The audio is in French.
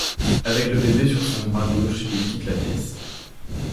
Avec le bébé sur son bras gauche, il quitte la pièce.